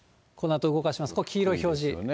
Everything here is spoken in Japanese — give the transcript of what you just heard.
このあと動かしますと、黄色い表示。